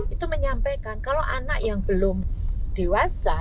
itu menyampaikan kalau anak yang belum dewasa